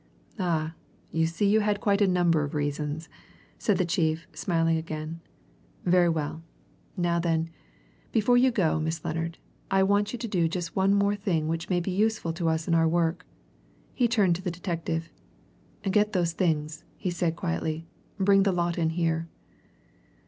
"Ah you see you had quite a number of reasons!" said the chief, smiling again. "Very well. Now then, before you go, Miss Lennard, I want you to do just one thing more which may be useful to us in our work." He turned to the detective. "Get those things," he said quietly. "Bring the lot in here."